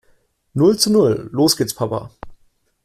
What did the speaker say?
Null zu Null. Los gehts Papa.